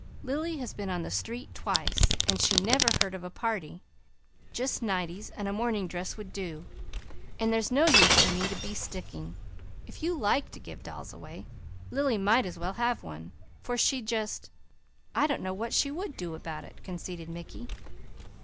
"Lily has been on the street twice, and she never heard of a party. Just nighties and the morning dress would do, and there's no use for me to be sticking. If you like to give away dolls, Lily might as well have one, for she'd just I don't know what she would do about it," conceded Mickey.